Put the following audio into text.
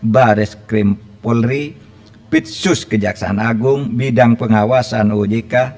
baris krim polri pitsus kejaksaan agung bidang pengawasan ojk